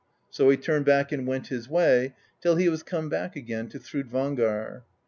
So he turned back and went his way, till he was come back again to Thrudvangar.